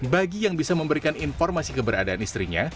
bagi yang bisa memberikan informasi keberadaan istrinya